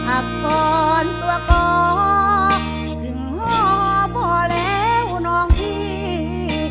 อักษรตัวกอถึงพ่อพอแล้วน้องพี่